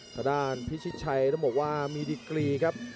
ทางด้านพิชิตชัยต้องบอกว่ามีดีกรีครับ